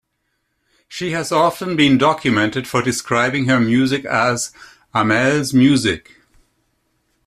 She has often been documented for describing her music as "Amel's music".